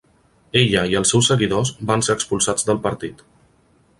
Ella i els seus seguidors van ser expulsats del partit.